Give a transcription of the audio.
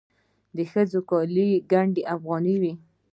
د ښځو کالي ګنډ افغاني وي.